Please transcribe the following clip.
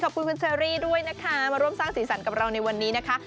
ขอบคุณคุณเชอรี่ด้วยนะคะมาร่วมสร้างสีสันกับเราในวันนี้นะคะ